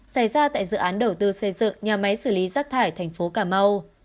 xảy ra tại dự án đầu tư xây dựng nhà máy xử lý rác thải thành phố cà mau